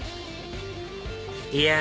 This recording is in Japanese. いや